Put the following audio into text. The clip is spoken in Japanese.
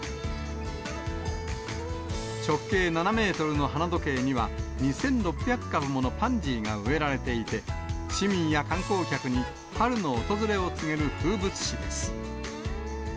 直径７メートルの花時計には、２６００株ものパンジーが植えられていて、市民や観光客に春の訪れを告げる風物詩です。